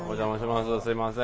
すいません。